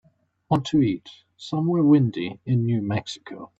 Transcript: want to eat somewhere windy in New Mexico